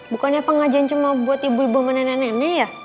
bukannya pengajian cuma buat ibu ibu sama nenek nenek ya